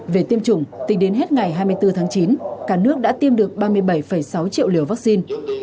về tiêm chủng tính đến hết ngày hai mươi bốn tháng chín cả nước đã tiêm được ba mươi bảy sáu triệu liều vaccine